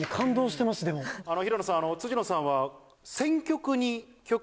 平野さん辻野さんは。